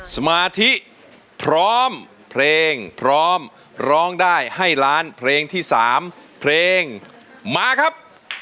สมาธิพร้อมเพลงพร้อมร้องได้ให้ล้านเพลงที่๓เพลงมาครับ